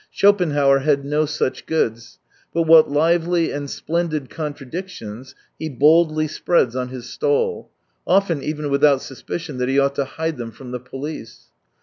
Schopenhauer had no such goods. But what lively and splendid contradictions he boldly spreads on his stall, often even without suspicion that he ought to hide them from the police.